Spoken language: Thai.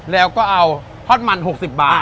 แล้วก็เอาทอดมัน๖๐บาท